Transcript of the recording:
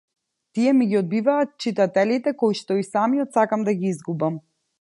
Тие ми ги одбиваат читателите коишто и самиот сакам да ги изгубам.